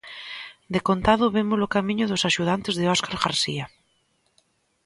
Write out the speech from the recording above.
De contado vémolo camiño dos axudantes de Óscar García.